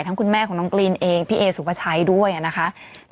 คุณแม่ของน้องกรีนเองพี่เอสุภาชัยด้วยนะคะ